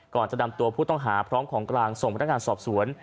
ก่อนจะดำตัวผู้ต้องหาพร้อมของกรางส่งตั้งแต่งการสอบสวน